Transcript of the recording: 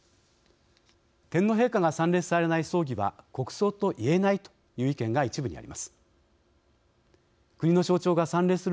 天皇陛下が参列されない葬儀は国葬といえないという意見が一部にあります。